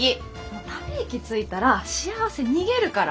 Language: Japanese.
ため息ついたら幸せ逃げるから！